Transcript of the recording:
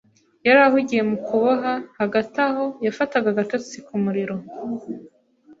Yari ahugiye mu kuboha Hagati aho, yafataga agatotsi ku muriro